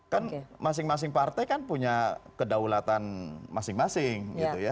kan masing masing partai kan punya kedaulatan masing masing